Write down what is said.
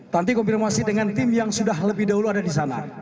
nanti konfirmasi dengan tim yang sudah lebih dahulu ada di sana